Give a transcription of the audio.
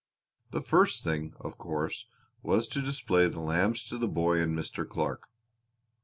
The first thing, of course, was to display the lambs to the boy and Mr. Clark.